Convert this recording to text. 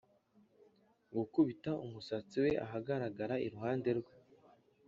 gukubita umusatsi we ahagarara iruhande rwe.